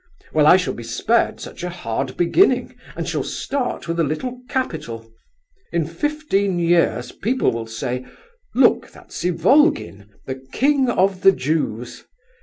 Well, I shall be spared such a hard beginning, and shall start with a little capital. In fifteen years people will say, 'Look, that's Ivolgin, the king of the Jews!